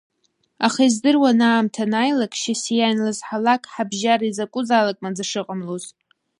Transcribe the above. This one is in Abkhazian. Аха издыруан аамҭа анааилак, Шьасиа ианлызҳалак, ҳабжьара изакәызаалак маӡа шыҟамлоз.